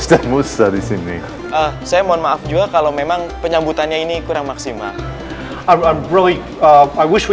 tapi saya sangat bersyukur untuk waktu yang kita dapatkan untuk berbicara bersama